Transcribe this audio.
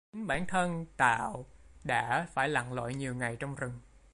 Chính bản thân tạo đã phải lặn lội nhiều ngày trong rừng